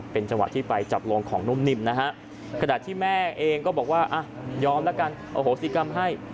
เป็นจังหวะที่ไปจับโรงของนุ่มนิ่มนะฮะขณะที่แม่เองก็บอกว่าอ่ะยอมแล้วกันอโหสิกรรมให้